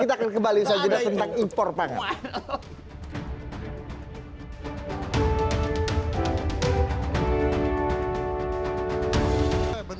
kita akan kembali saja tentang impor pangan